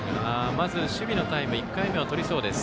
まず守備のタイム１回目をとりそうです。